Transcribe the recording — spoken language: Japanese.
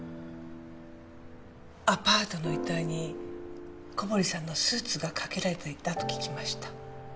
アパートの遺体に小堀さんのスーツがかけられていたと聞きました。